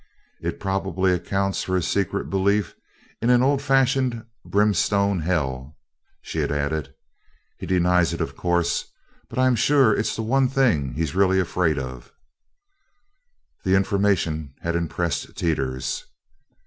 "It probably accounts for his secret belief in an old fashioned, brimstone hell," she had added. "He denies it, of course, but I'm sure it's the one thing he's really afraid of." The information had impressed Teeters.